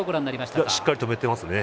しっかり止めてますね。